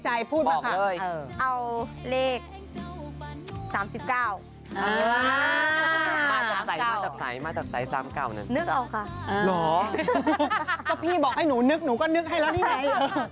ก็พี่บอกให้หนูนึกหนูก็นึกให้แล้วนี่ไง